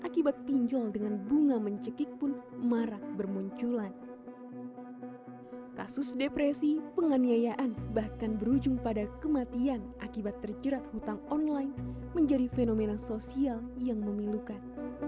kasus depresi penganiayaan bahkan berujung pada kematian akibat terjerat hutang online menjadi fenomena sosial yang memilukan